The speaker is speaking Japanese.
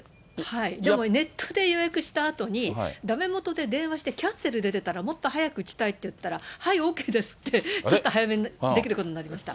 でもネットで予約したあとに、だめもとで電話してキャンセルが出たら、もっと早く打ちたいと言ったら、はい、ＯＫですって、ちょっと早めにできることになりました。